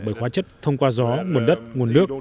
bởi hóa chất thông qua gió nguồn đất nguồn nước